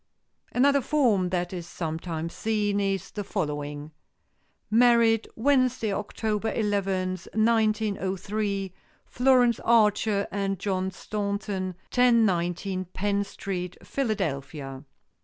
Another form that is sometimes seen is the following: "Married, Wednesday, October eleventh, 1903; Florence Archer and John Staunton, 1019 Penn Street, Philadelphia."